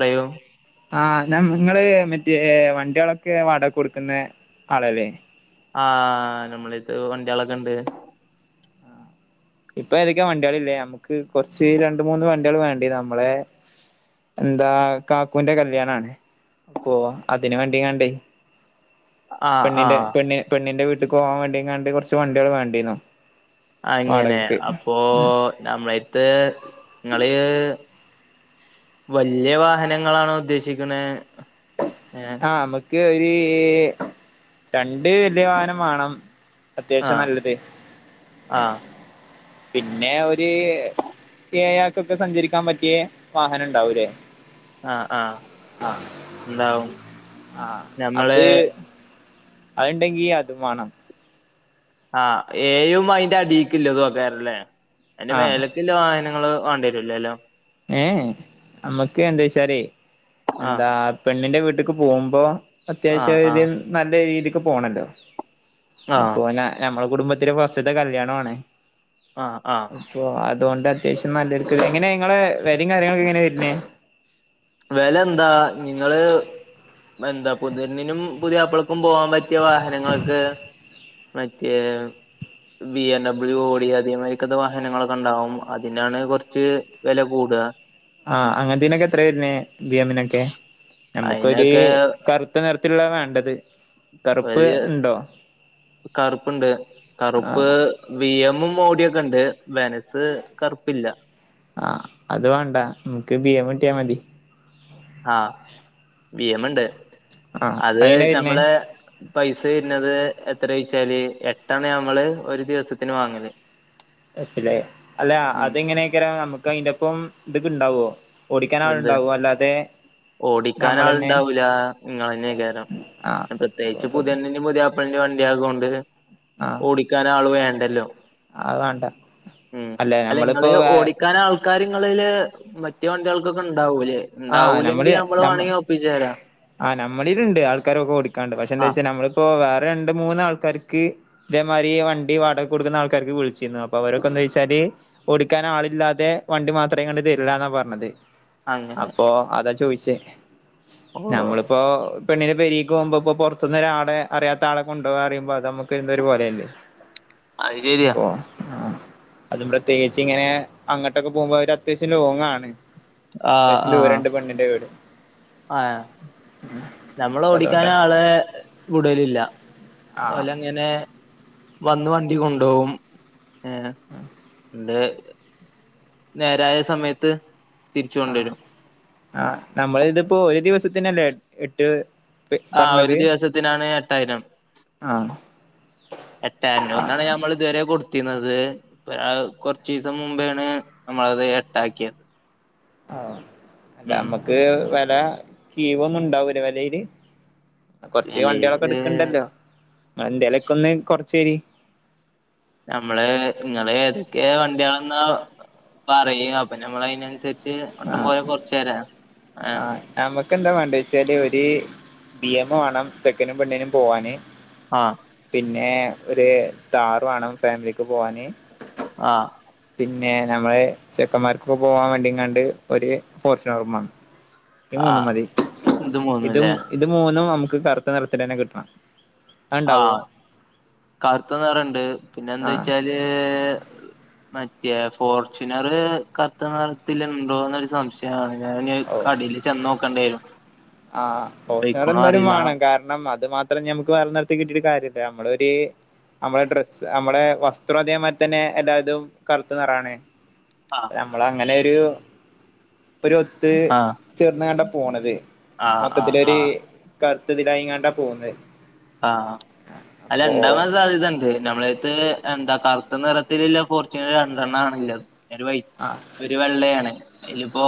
റയൂ. ആഹ് ന്നാ ഇങ്ങള് മറ്റേ വണ്ട്യേളൊക്കെ വാടെയ്ക്ക് കൊട്ക്കണെ ആളല്ലേ ആഹ് ഞമ്മളിട്ത്ത് വണ്ട്യേളൊക്കെണ്ട്. ഇപ്പൊ ഏതൊക്കെയാ വണ്ട്യേളിളെ ഞമുക്ക് കൊറച്ച് രണ്ട്‌മൂന്ന് വണ്ട്യേള് വേണ്ടീനു അമ്മളെ. എന്താ കാക്കുന്റെ കല്യാണാണ് അപ്പൊ അതിന് വേണ്ടികാണ്ടേ. ആ ആ പെണ്ണിന്റെ പെണ് പെണ്ണിന്റെ വീട്ടിക്ക് പോവാൻ വേണ്ടിങ്ങാണ്ട് കൊറച്ച് വണ്ട്യേൾ വേണ്ടീനു ആ അങ്ങനെ അപ്പൊ ഞമ്മളട്ത്ത് ഇങ്ങള്. വല്യ വാഹനങ്ങളാണോ ഉദ്ദേശിക്ക്ണെ ഏഹ് ആ അമക്ക് ഒരീ രണ്ട് വല്യ വാഹനം മാണം അത്യാശ്യം നല്ലതെ. ആഹ്. പിന്നെ ഒരു ഏയാക്കൊക്കെ സഞ്ചരിക്കാൻ പറ്റിയ വാഹനണ്ടാവുല്ലേ. ആഹ് ആഹ് എന്താവും ആ അത് അത്ണ്ടെങ്കി അത് മാണം ആഹ് ഏയും അതിന്റെ അടക്കില്ലത്ക്കാറല്ലേ അതിന്റെ ആഹ് മേലക്കുള്ള വാഹനങ്ങള് വേണ്ട ല്ലാല്ലോ ഏഹ് ഏഹ് നമ്മക്ക് എന്താ വച്ചാലെ ആ എന്താ പെണ്ണിന്റെ വീട്ടക്ക് പോകുമ്പോ ആ ആ അത്യാവശ്യംം നല്ല രീതിക്ക് പോണല്ലോ ആ അപ്പൊ ന നമ്മെടെ കുടുംബത്തിെലെ ഫസ്റ്റ്ത്തെ കല്യാണും ആണ് ആഹ് ആഹ് അതുകൊണ്ട് അത്യാവശ്യം നല്ലൊരുക്ക് എങ്ങനെ നിങ്ങളെ വെലയും കാര്യങ്ങളക്കെങ്ങനെ വരുന്നേ വെല എന്താ നിങ്ങള് എന്താ പുതിണ്ണിനും പുത്യാപ്പള ക്കും പോവാാൻ പറ്റിയ വാഹനങ്ങൾക്ക് മറ്റേ ബി എംഡബ്ല്യു ഓടി അതേമാതിരിക്കത്തെ വാഹനങ്ങളൊക്കെ ഉണ്ടാവും അതിനാണ് കുറച്ച് വെല കൂടുക ആഹ് അങ്ങനത്തേനൊക്കെ എത്ര വരുന്നേ ബി എമ്മിനൊക്കെ നമുക്കൊരു അതിനൊക്കെ കറു ത്ത നിരത്തിലുള്ളാണ് വേണ്ടത് കറുപ്പ് വലിയ ഇണ്ടോ കറുപ്പുണ്ട് കറുപ്പ് ആഹ് വി എമ്മും മോടിയൊക്കെ ഉണ്ട് വെനസ് കറുപ്പില്ല ആഹ് അത് വേണ്ട നമുക്ക് ബി എം കിട്ടിയാ മതി ആഹ് ബി എമ്മുണ്ട് ആഹ് അത് അങ്ങനെ വരുന്നേ നമ്മളെ പൈസ വരുന്നത് എത്ര യ്ച്ചാല് എട്ടാണ് നമ്മള് ഒരു ദിവസത്തിന് വാങ്ങല് ല്ലേ അല്ല ഉം അത് എങ്ങനെയൊക്കാരം നമുക്ക് അയിന്റെപ്പം ഇതൊക്കെ ഇണ്ടാവോ ഓടിക്കാൻ എന്ത് ആളുണ്ടാാവും അല്ലാതെ ഓടിക്കാൻ നമ്മളന്നെ ആൾുണ്ടാവൂല്ല നിങ്ങളന്നെ കാരം ആഹ് പ്രത്യേകിച്ച് പുതിയന്ന മുതിയാപ്പിളിന്റെ വണ്ടിയ ആയത് കൊണ്ട് ആഹ് ഓടിക്കാൻ ആള് വേണ്ടല്ലോ അത് വേണ്ട അല്ലെ ഞമ്മളിപ്പോ വ കാര്യങ്ങളില് മറ്റു വണ്ടികൾക്കൊക്കെ ഉണ്ടാവൂല്ലേ ആഹ് നമ്മള് ന ആ നമ്മളിലുണ്ട് ആൾക്കാരൊക്കെ കൊടുക്കാണ്ട് പക്ഷെ എന്താ ആഹ് വെച്ചാൽ നമ്മള് ഇപ്പൊ വേറെ രണ്ട് മൂന്ന് ആൾക്കാർക്ക് ഇതേമാതിരി വണ്ടി വാടകക്ക് കൊടുക്കുന്ന ആൾക്കാർക്ക് വിളിച്ചിരുന്നു അപ്പൊ അവരൊക്കെ എന്താ വെച്ചാല് ഓടിക്കാൻ ആളില്ലാതെ വണ്ടി മാത്രേ കണ്ട് തരില്ല എന്നാ പറഞ്ഞത് അങ്ങനെ അപ്പൊ അതാ ചോദിച്ചേ ഓ നമ്മളിപ്പോ പെണ്ണെ പരിക്ക് പോകുമ്പോ ഇപ്പോ പുറത്തൊന്ന് ഒരാളെ അറിയാത്ത ആളെ കൊണ്ടോവാറിയുമ്പോ അത് നമുക്ക് എന്തോ ഒരു പോലെയല്ലേ [inaudible] അത് ശരിയ അപ്പോ ആ അതും പ്രത്യേകിച്ച് ഇങ്ങനെ അങ്ങോട്ടൊക്കെ പോകുമ്പോ അവര് അത്യാവശ്യം ലോങ്ങാണ് ആഹ് അത്യാശ്യം ആഹ് ദൂരണ്ട് പണ്ണിന്റെ വീട് ആഹ് നമ്മള് അപ്പൊ അതുകൊണ്ടാ ഓടിക്കാന് ആള് വിടലില്ല ആഹ് ഓലന്നെ അങ്ങനെ വന്ന് എ വണ്ടി കൊണ്ടുപോകും ഏണ്ട് നേരായ സമയത്ത് തിരിച്ചു ആഹ് കൊണ്ടുവരും ആഹ് നമ്മള് ഇതിപ്പോ ഒരു ദിവസത്തിനല്ലേ എട്ട് ആഹ് ഒരു പറഞ്ഞത് ദിവസത്തിനാണ് എട്ടായിരം ആഹ് എട്ടേ ആഹ് അഞ്ഞൂന്നാണ് നമ്മള് ഇതുവരെ കൊടുത്തിരുന്നത് ഇ കൊറച്ചു ദിവസം മുമ്പോണ് നമ്മളത് എട്ടാക്കിയത് ആഹ് അല്ല ഉം നമ്മക്ക് വില കീവ് ഒന്നും ഉണ്ടാവുല്ലെ വിലയില്? കൊറച്ച് വണ്ടികളൊക്കെ വെലേത് എടുക്കണ്ടല്ലോ എന്തെലൊക്കെ ഒന്ന് കൊറച്ചേരി നമ്മള് നിങ്ങള് ഏതൊക്കെ വണ്ടിയാളെന്നാ പറയ് അപ്പൊ നമ്മൾ അതിനനുസരിച്ച് ച്ച് അപ്പം കൊയേ കുറച്ച് തരാം ആഹ് നമുക്കെന്താ വേണ്ട വെച്ചാല് ഒരു ബി എമ്മ് വേണം ചെക്കനും പെണ്ണിനും പോവാന്. ആഹ് പിന്നെ ഒരു താർ വേണം ഫാമിലിക്ക് പോവാന് ആഹ് പിന്നെ നമ്മളെ ചെക്കന്മാർക്കൊക്കെ പോവാൻ വേണ്ടിങ്ങാണ്ട് ഒരു ഫോർച്യുണർ മേണം. ഇത് മൂന്നും ആഹ് മതി. ഇത് ഇത് മൂന്നും നമുക്ക് കറുത്ത് നിറത്തില് തന്നെ കിട്ടണം. അത്ണ്ടാവോ ആഹ് കറുത്ത നിറംണ്ട് പിന്നെ എന്ത്‌ ആഹ് വെച്ചാല് മറ്റേ ഫോർച്യുനറ് കറുത്ത നിറ ത്തില്ലുണ്ടോന്നൊരു സംശയം ഞൻ ഞാന് ഓ കടേല് ചെന്ന് നോക്കണ്ടേനു ആഹ് ഫോർച്യുനർ എന്തായാലും വേണം കാരണം അത് മാ ത്ര ഞമുക്ക് വേറൊരു നിറത്തി കിട്ടീട്ടു കാര്യമില്ല നമ്മളൊരു നമ്മളെ ഡ്രസ്സ് നമ്മളെ വസ്ത്രം അതേമാരി തന്നെ എല്ലാതും കറുത്തനിറാണെ. ആഹ് അത് നമ്മള അങ്ങനൊരു ഒരു ഒത്ത് ആഹ് ചേർന്ന് കൊണ്ടാ പോണത്. ആഹ് ആഹ് മൊത്തത്തിലൊരു ആഹ് കറുത്തതിലായിങ്ങാണ്ടാ പോകുന്നത് ആഹ് അപ്പോ അതൊണ്ടാവാൻ സാധ്യതുണ്ട് നമ്മളത്ത് എന്താ കറുത്ത നിറത്തിലുല്ല ഫോർച്യുണർ രണ്ടെണ്ണ ആണല്ലത് ഒരു വൈ ആഹ് ഒരു വെള്ളയാണ് അതിലിപ്പോ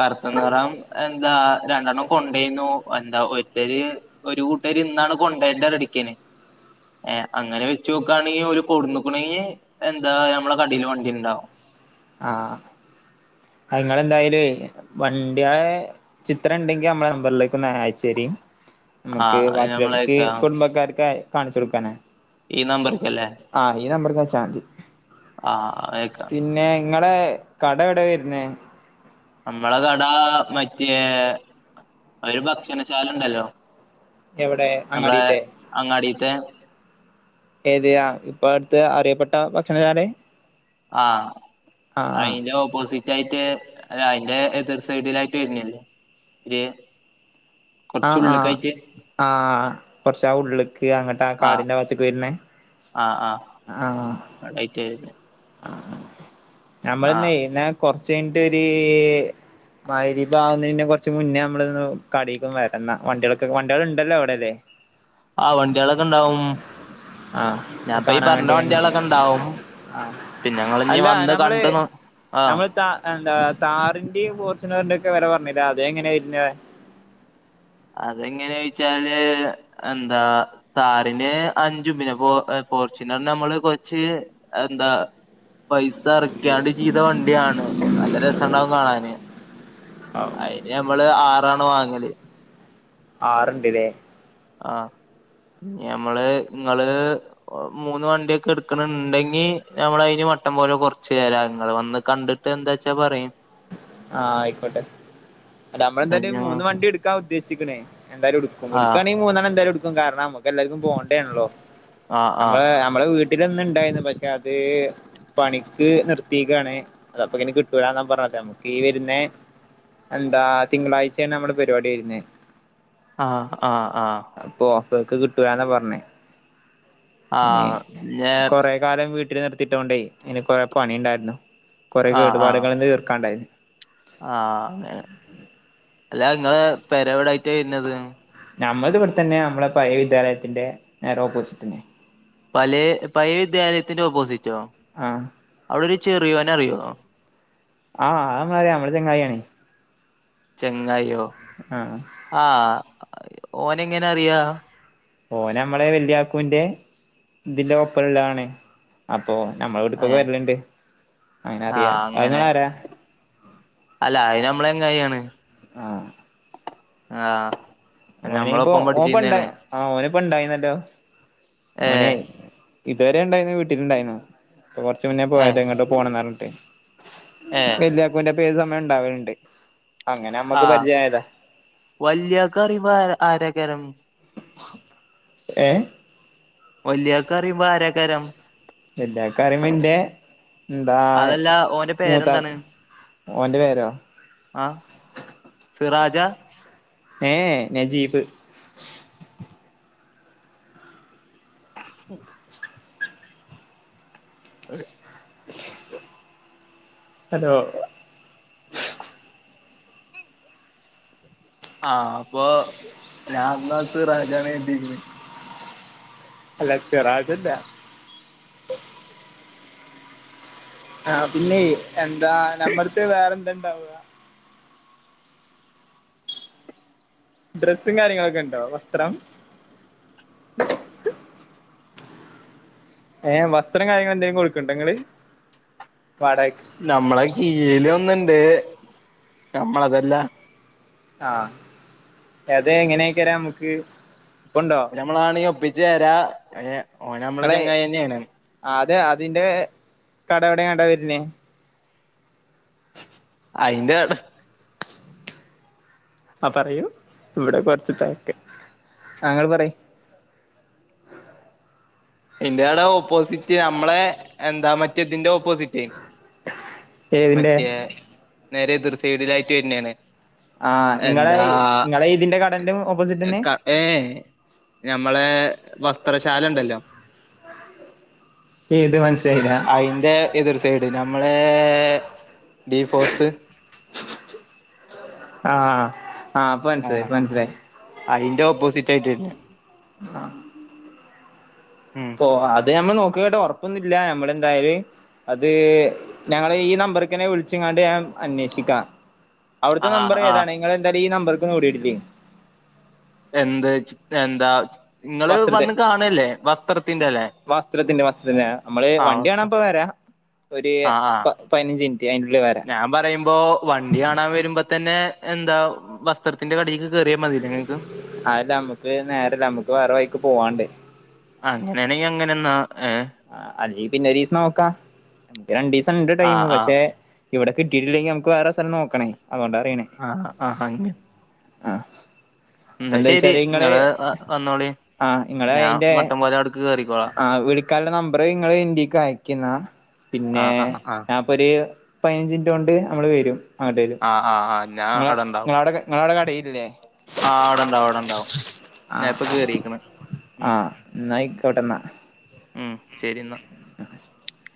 കറുത്ത നിറം എന്താ രണ്ടെണ്ണം കൊണ്ടോയിന്നു എന്താ ഒരുത്തര് ഒരു കൂട്ട ഇന്നാണ് കൊണ്ടോണ്ട [unintelligible] ഹ് അങ്ങനെ വെച്ചു നോക്കുകയാണെങ്കിൽ ഒരു കൊടു നോക്കണെങ്കിൽ എന്താ നമ്മളെ കടയിൽ വണ്ടി ഉണ്ടാാവും ആഹ് ഇങ്ങളെന്തായല് വണ്ടിയ ചിത്രം ഉണ്ടെങ്കി നമ്മള നമ്പറിലേക്ക് ഒന്ന് അയച്ചേര്. നമുക്ക് ആഹ് അത് വാക്കികൾക്ക് നമ്മളേക്കാ കുടുംബക്കാർക്കായി കാണിച്ചു കൊടുക്കാനാ ഈ നമ്പർക്കല്ലേ ആ ഈ നമ്പർക്കയച്ച മതി ആഹ് അയക്കാം പിന്നെ നിങ്ങളെ കട എവിടെ വരുന്നേ? നമ്മളെ കട മറ്റേ ഒര് ഭക്ഷണശാല ഉണ്ടല്ലോ എവിടെ അങ്ങാടിത്തെ? അങ്ങാടീത്തെ ഏതയാ ഇപ്പ അടുത്ത് അറിയപ്പെട്ട ഭക്ഷണശാല ആഹ് അയിന്റെ ഓപ്പോസിറ്റ് യിട്ട് അതിന്റെ എതിർ സൈഡിലായിട്ട് വരുന്നല്ലേ ഒര് ആഹ് ആഹ് ആഹ് കുറച്ച് ആ ഉള്ളക്ക് അങ്ങട്ട് ആഹ് താകാടിന്റെ ഭാത്തക്ക് വരുന്നേ ആഹ് ആളായിറ്റ് വരുന്നേ ആഹ് നമ്മളിന്നെ ന്നാ കൊറച്ച് കഴിഞ്ഞിട്ടൊരു മഹരിബ് ആകുന്നെന്ന് കുറച്ച് മുന്നേ നമ്മൾന്ന് കടക്കന്ന് വരുന്ന വണ്ടികൾക്കെ വണ്ടികൾ ഉണ്ടല്ലോ അവിടെ അല്ലേ? [inaudible] ആ വണ്ടികളൊക്കെ ഉണ്ടാവും ആഹ് അത് ഞാൻപ്പ ഈ കാണാൻ പറഞ്ഞ വേണ്ടി കണ്ട് വണ്ടികളൊക്കെ ഇണ്ടാവും ആഹ് പിന്നെ ഇങ്ങളിനി വന്ന് കണ്ട് ആഹ് ത എന്താ താറിന്റേം ഫോർച്യുനറിന്റെ ഒക്കെ വില പറഞ്ഞില്ല അത എങ്ങനെയ വരുന്നത്? അതെങ്ങനെ യിച്ചാല് എന്താ താറിന് അഞ്ചും പിന്നെ ഫോർച്യുനറിനമ്മള് കൊറച്ച് എന്താ പൈസ [unintelligible] ചെയ്ത വണ്ടിയാണ് നല്ല രസണ്ടാവും കാണാന് ആയ് നമ്മള് ആറാണ് വാങ്ങല് ആറ്ണ്ട് ഇല്ലേ ആ മ്മള് നിങ്ങള് മൂന്ന് വണ്ടിയൊക്കെ എടുക്കണുണ്ടെങ്കി നമ്മൾ അതിന് മട്ടം പോലെ കൊറച്ച് തരാംങ്ങൾ വന്ന് കണ്ടി് എന്താച്ചാ പറയും ആഹ ആയിക്കോട്ടെ അ നമ്മൾ എന്തായാലും മൂന്ന് വണ്ടി എടുക്കാൻ ഉദ്ദേശിക്കണേ എന്തായാലും എടുക്കും ആഹ് ടുക്കുകവാണെങ്കിൽ മൂന്നാണ്ണം എന്തായാലും എടുക്കും കാരണം നമ്മക്ക് എല്ലാർക്കും പോകേണ്ടോണല്ലോ ആഹ് നമ്മ നമ്മളെ വീട്ടിലൊന്ന ഇണ്ടായിന്ന് പക്ഷെ അത് പണിക്ക് നിർത്തിയാണ് അത്പ്പ ഇങ്ങനെ കിട്ടു ലാ എന്നാ പറഞ്ഞ നമുക്ക് ഈ വര്ന്ന എന്താ തിങ്കളാഴ്ചയാണ് നമ്മള് പരിപാടി വരുന്നെ ആഹ് ആഹ് ആഹ് അപ്പൊ ഓഫ ഒക്കെ കിട്ടുലന്നാ പറഞ്ഞേ ഇനി ആഹ് ഞ കൊറെ കാലം വീട്ടിൽ നിർത്തിട്ടോണ്ടേ ഐന് കൊറെ പണിണ്ടായിരുന്നു കുറെേ കേടുപാടുകളന്നെ തീർക്കാണ്ടായിരുന്നു ആഹ അങ്ങ അല്ല നിങ്ങള് പെരവിടായിട്ട് വരുന്നത്? നമ്മള ഇവിടെത്തന്നെ നമ്മളെ പഴേ വിദ്യാലയത്തിന്റെ ഓപ്പോസിറ്റിന്നെ പലേ പഴേ വിദ്യാലയത്തിന്റെ ഓപ്പോസിറ്റോ? ആഹ് അവിടെരു ചെറിയോനെ അറിയോ? ആഹ് ആ മളെ മ്മള ചങ്ങായിയാണ് ചെങ്ങായോ? ആ ആഹ് ആ ഓനെ എങ്ങനെ അറിയാ? ഓന നമ്മളെ വല്യായാക്കൂന്റെ ഇതിന്റെ ഒപ്പമള്ളതാണ് അപ്പൊ നമ്മളവിടക്കൊക്കെ ഏഹ് വരല്ണ്ട് അങ്ങനെ അറിയാ ആഹ് അങ്ങനെ അത്ങ്ങളെ ആരാ? അല്ല അത് നമ്മളെ ചെങ്ങായാണ് ആ ഓനയിപ്പോ ഓപ്പ ണ്ട ആ ഓന ഇപ്പോ ഉണ്ടായിന്നല്ലോ ഏ ഓനെ ഇതുവരെ ണ്ടായിരുന്നു വീട്ടില്ണ്ടായിരുന്നു കൊറച്ച് മുന്നേ ഏ പോയത് എങ്ങ്ട്ടോ പോണംന്നറഞ്ഞിട്ട് ഏ ഓന്റെപ്പം ഏത് സമയോം ഉണ്ടാവലുണ്ട് അങ്ങനെ മ്മക്ക് പരിചയായതാ വല്യാകാ പറിമ്പം ആരേകരം? ഏഹ് വല്ല്യാക്കറിയുമ്പോ ആരാക്കാരം? വല്ലാക്കാരി മംന്റെ എന്താ അതല്ല ഓന്റെ മൂത്താപ് പേരെന്താണ് ഓൻ്റെ പേരോ? സിറാജാ? ഏ ഹ് നജീബ് ഉം അ [unintelligible] ഹലോ ആഹ അപ്പൊ ഞാന്ന സിറാജാന്നാ കരുതിക്കെണെ അല്ല സിറാജല്ല ആഹ പിന്നെയ് എന്താ ഞമ്മട്ത്തെ വേറെന്താണ്ടാവാ? ഡ്രസ്സും കാര്യങ്ങളൊക്കെ ഉണ്ടോ? വസ്ത്രം? ഉ [unintelligible] ഏഹ് വസ്ത്രം കാര്യങ്ങളെന്തെങ്കിലും കൊടുക്ക്ണ്ട നിങ്ങള് വാടക - നമ്മളെ കീയ്‌ലൊന്ന്ണ്ട് നമ്മളതല്ല ആഹ അ അത എങ്ങനെയൊക്കെരം നമുക്ക്? ഇപ്പുണ്ടോ ഞമ്മളാണെങ്കി ഒപ്പിച്ചേരാ ഓ നമ്മെളെ നിങ്ങളെ ചങ്ങായിന്നേണ് അതെ അതിന്റെ കട എവിടെണ്ടാ വരുന്നേ അയിന്റെ [unintelligible] ആ പറയൂ, ഇവടെ കൊറച്ച് തെരക്ക് താങ്കൾ പറയ്. ഇന്റെടെ ഓപ്പോസിറ്റ് ന്നമ്മളെ എന്താ മറ്റേതിന്റെ ഓപ്പോസിറ്റ്. ഏതിന്റെ മറ്റേ നേരെ എദിർസൈഡിലായിട്ട് വര്ന്നേണ്. ആഹ്‌, ങ്ങളെ ങ്ങളെ ഇതിന്റെ കടൻ്റെ ഓപ്പോസിറ്റന്നെ? ക- ഏ ഞമ്മളെ വസ്ത്രശാലണ്ടല്ലോ. ഏത് മനസ്സിലായ്ല്ലാ. അയിന്റെ എതിർ സൈഡ് ഞമ്മളെ ബീ ഫോർത്ത്. ആഹ്, ആ പ്പൻസിലായി പൻസിലായി. അയിന്റെ ഓപ്പോസിറ്റ് ആയിട്ട് വര്ണ്. ആഹ്‌. ഉം ഓ അത് ഞമ്മൾ നോക്ക്യോട്ട് ഉറപ്പൊന്നുല്ലിയ നമ്മളെന്തായാല് അത് ഞങ്ങള് ഈ നമ്പർക്കന്നെ വിളിച്ച്ങ്ങാണ്ട് ഞാൻ അന്വേഷിക്കാം. അവ്ടുത്തെ ആഹ് നമ്പർ ആഹ് ഏതാണ്? ഇങ്ങള് എന്തായാലും ഈ നമ്പർക്കൊന്ന് [unintelligible] എന്ത് ച്ച് എന്താച്ച് നിങ്ങള് വസ്ത്രത്തെ വന്ന് കാണെല്ലേ വസ്ത്രത്തിന്റെല്ലേ? വസ്ത്രത്തിന്റെ വസ്ത്രത്തിന്റെ ന്നമ്മള് വണ്ടി കാണാപ്പ വരാ ഒര് ആഹ് ആഹ് പ്പ പയിനഞ്ച് മിൻറ്റ് അയിന്റെ ഉള്ളിൽവരാ. ഞാൻ പറയുമ്പോ വണ്ടി കാണാ വരുമ്പോ തന്നെ എന്താ വസ്ത്രത്തിന്റെ കടേക്ക് അല്ല അമ്മക്ക് നേരല്ല ന്നമ്മക്ക് വേറെ വൈക്ക് പോവാണ്ട്. അങ്ങനേണെങ്കി അങ്ങനെന്നാ ഏ. ആ അല്ലീ പിന്നെ ഒരീസം നോക്കാ, ഇക്ക് രണ്ടീസണ്ട് ആഹ് ടൈമ് ആഹ് പക്ഷെ ഇവടെ കിട്ടീട്ടില്ലെങ്കി ഞമ്മക്ക് വേറെ സ്ഥലം നോക്കണേ, അതൊണ്ടാറിണേയ്. ആഹാ ആഹാ അങ്ങനെ. അഹ്. ന്നാ ശെരി ങ്ങള് ഹ് വന്നോളി. ആഹ്‌, ഞാൻ ങ്ങളെയ്ന്റെ മട്ടം പോലെ അവിടക്ക് കേറിക്കോളാം ആ വ്ളി ക്കാ ലെ നമ്പർ ഇങ്ങള് ഇന്റീക്ക് അയക്കിന്നാ പിന്നേ ആഹ് ആഹ് ആഹ് ഞാ ഒരു പയിനഞ്ചിൻറ്റോണ്ട്, ഞങ്ങള് വരും അങ്ങട്ട്. ആ ആ ആ ഞാൻ അവടെണ്ടാവും, നിങ്ങളവിടെ കടയില്ലേ ആ അവടെണ്ടാവും അവടെണ്ടാവും. ആഹ്‌ ആഹ്‌ ന്നയ് ക്കോട്ടേന്നാ. ഉം, ശരി ന്നാ. [inaudible]